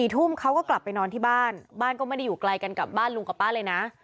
ทุ่มเขาก็กลับไปนอนที่บ้านบ้านก็ไม่ได้อยู่ไกลกันกับบ้านลุงกับป้าเลยนะ